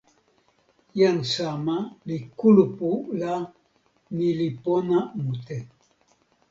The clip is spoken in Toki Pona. jan sama li kulupu la ni li pona mute.